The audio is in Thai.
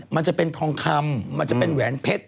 มันจะเป็นทองคำมันจะเป็นแหวนเพชร